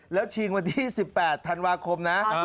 แล้วชิงวันที่๑๘ธันวาคมนะ